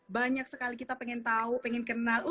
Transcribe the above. banyak sekali kita pengen tahu pengen kenal